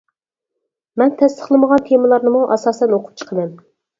مەن تەستىقلىمىغان تېمىلارنىمۇ ئاساسەن ئوقۇپ چىقىمەن.